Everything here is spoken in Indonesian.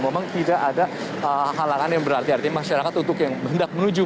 memang tidak ada halangan yang berarti artinya masyarakat untuk yang hendak menuju